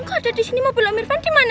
kok ada disini mobil irfan dimana